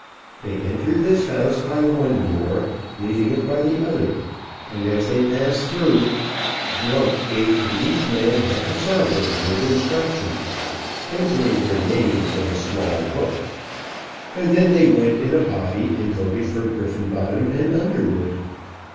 They entered this house by one door, leaving it by the other, and as they passed through, Glump gave to each man half a sovereign with instructions, entering their names in a small book; and then they went in a body and voted for Griffenbottom and Underwood.